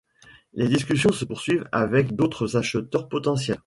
Les discussions se poursuivent avec d'autres acheteurs potentiels.